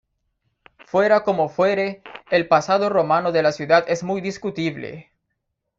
Fuera como fuere, el pasado romano de la ciudad es muy discutible.